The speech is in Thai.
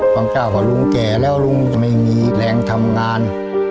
บางเจ้าก็ลุงแก่แล้วลุงไม่มีแรงทำงาน